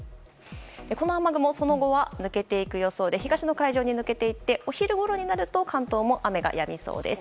この雨雲その後は抜けていく予想で東の海上に抜けて行ってお昼ごろになると関東も雨がやみそうです。